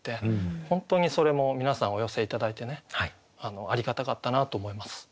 本当にそれも皆さんお寄せ頂いてねありがたかったなと思います。